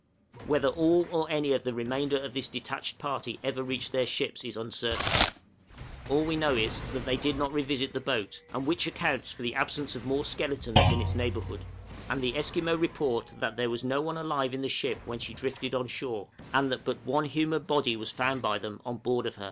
Whether all or any of the remainder of this detached party ever reached their ships is uncertain; all we know is, that they did not revisit the boat, and which accounts for the absence of more skeletons in its neighborhood; and the Esquimaux report that there was no one alive in the ship when she drifted on shore, and that but one human body was found by them on board of her.